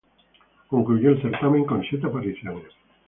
Concluyó el certamen con siete apariciones.